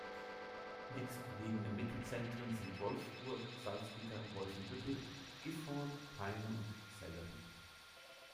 Nächstgelegene Mittelzentren sind Wolfsburg, Salzgitter, Wolfenbüttel, Gifhorn, Peine und Celle.